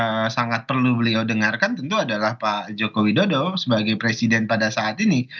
yang sangat perlu beliau dengarkan tentu adalah pak joko widodo sebagai presiden pada saat ini